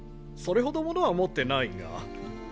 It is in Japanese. それほどものは持ってないが。